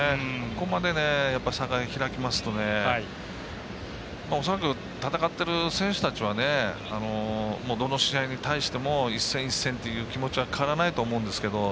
ここまでやっぱり差が開きますと恐らく、戦っている選手たちはどの試合に対しても一戦一戦という気持ちは変わらないと思うんですけど